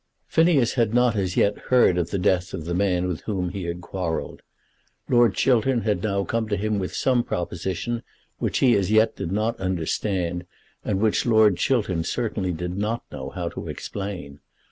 Phineas had not as yet heard of the death of the man with whom he had quarrelled. Lord Chiltern had now come to him with some proposition which he as yet did not understand, and which Lord Chiltern certainly did not know how to explain.